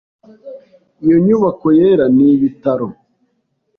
Iyo nyubako yera ni ibitaro.